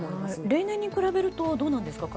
例年に比べるとどうなんですか。